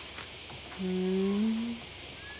ふん。